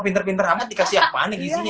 pinter pinter amat dikasih apaan ya gizinya ya